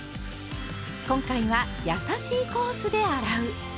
今回は「やさしいコースで洗う」。